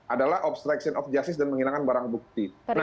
adalah obstruction of justice dan menghilangkan barang bukti